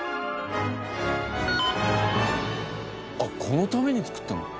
あっこのために作ったの？